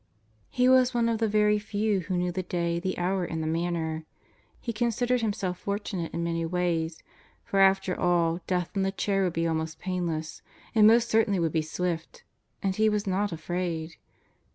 He was one of the very few who knew the day, the hour, and the manner. He considered himself fortunate in many ways; for after all, death in the chair would be almost painless; it most certainly would be swift and he was not afraid!